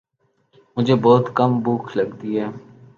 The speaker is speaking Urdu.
مجھے بہت کم بھوک لگتی ہے